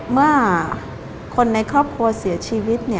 เมื่อคนในครอบครัวเสียชีวิต